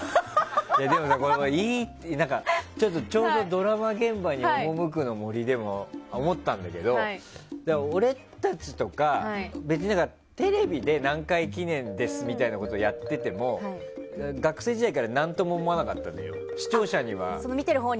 でもさ、ちょうどドラマ現場に赴くの森でも思ったんだけど俺たちとか、別にテレビで何回記念ですみたいなことやってても学生時代から何とも思わなかったっていう。